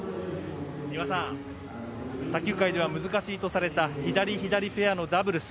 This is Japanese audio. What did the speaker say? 丹羽さん卓球界では難しいとされた左左ペアのダブルス。